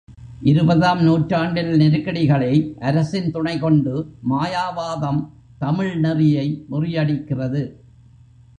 இருபதாம் நூற்றாண்டில் நெருக்கடிகளை அரசின் துணை கொண்டு மாயாவாதம் தமிழ் நெறியை முறியடிக்கிறது.